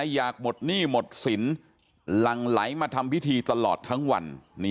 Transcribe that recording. อยากหมดหนี้หมดสินหลั่งไหลมาทำพิธีตลอดทั้งวัน